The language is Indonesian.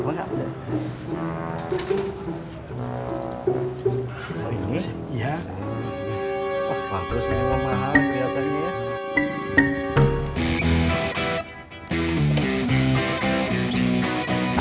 bangat ya bangat